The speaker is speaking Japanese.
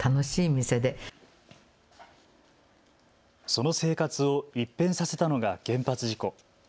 その生活を一変させたのが原発事故。